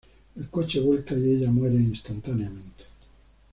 El coche vuelca y ella muere instantáneamente.